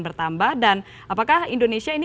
bertambah dan apakah indonesia ini